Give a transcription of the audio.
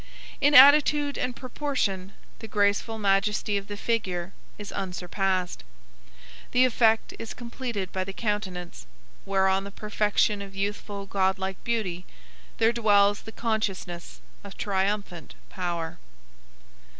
In attitude and proportion the graceful majesty of the figure is unsurpassed. The effect is completed by the countenance, where on the perfection of youthful godlike beauty there dwells the consciousness of triumphant power.